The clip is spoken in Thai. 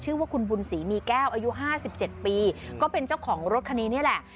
ชื่อว่าคุณบุญศรีมีแก้วอายุ๕๗ปีก็เป็นเจ้าของรถคันนี้นี่แหละ